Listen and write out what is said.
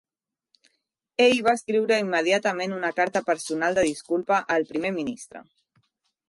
Ell va escriure immediatament una carta personal de disculpa al Primer Ministre.